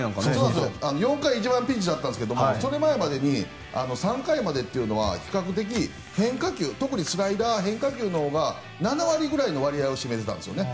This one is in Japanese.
４回一番ピンチだったんですがそれまでに３回までというのは比較的、変化球特にスライダー、変化球が７割ぐらいの割合を占めていたんですよね。